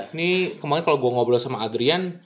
ini kemarin kalau gue ngobrol sama adrian